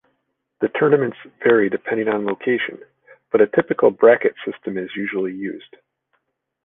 The tournaments vary depending on location, but a typical bracket system is usually used.